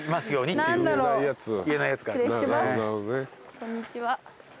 こんにちは。